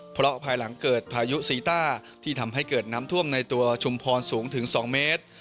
เพราะภายหลังเกิดพายุซีต้าที่ทำให้เกิดน้ำท่วมในตัวชุมพรสูงถึง๒เมตร